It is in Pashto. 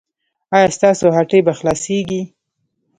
ایا ستاسو هټۍ به خلاصیږي؟